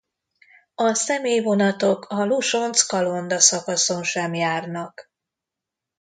A személyvonatok a Losonc–Kalonda szakaszon sem járnak.